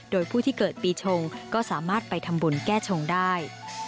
โดยผู้ที่เกิดปีชงก็สามารถไปทำบุญแก้ชงได้